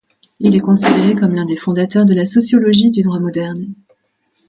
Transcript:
Il est considéré comme l'un des fondateurs de la sociologie du droit moderne.